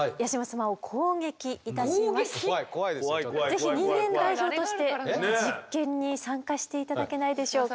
ぜひ人間代表として実験に参加して頂けないでしょうか。